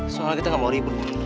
soalnya kita nggak mau ribut